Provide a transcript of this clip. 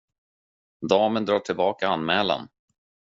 Damen drar tillbaka anmälan.